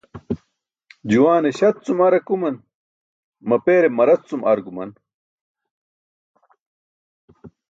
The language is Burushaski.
Juwaane śat cum ar akuman, mapeere marac cum ar guman.